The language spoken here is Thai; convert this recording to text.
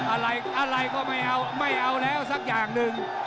อะไรอะไรก็ไม่เอาไม่เอาแล้วสักอย่างหนึ่ง